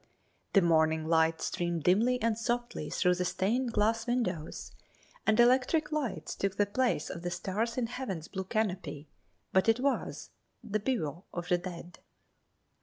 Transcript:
The morning light streamed dimly and softly through the stained glass windows, and electric lights took the place of the stars in heaven's blue canopy, but it was the bivouac of the dead.